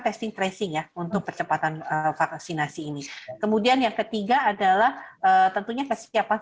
testing tracing ya untuk percepatan vaksinasi ini kemudian yang ketiga adalah tentunya kesiapan